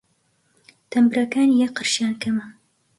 تەمبرەکانی یەک قرشیان کەمە!